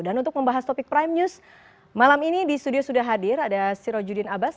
dan untuk membahas topik prime news malam ini di studio sudah hadir ada siro judin abbas